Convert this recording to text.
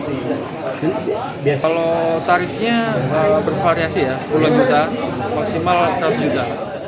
kalau tarifnya bervariasi ya puluhan juta maksimal seratus juta